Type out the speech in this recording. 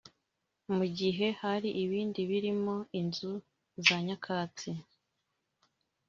mu gihe hari ibindi birimo inzu za nyakatsi